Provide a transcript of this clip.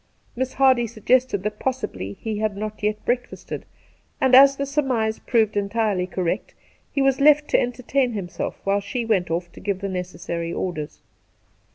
Miss Hardy suggested that possibly he had not yet breakfasted, and as the surmise proved entirely correct he was left to entertain himself while she went off to give the necessary orders.